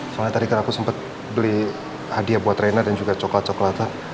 soalnya tadi kan aku sempet beli hadiah buat rena dan juga coklat coklatnya